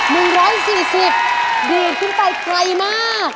๑๔๐เบียนขึ้นไปไกลมาก